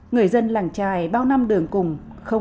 người dân làng trài bao năm đường cùng khẩu trại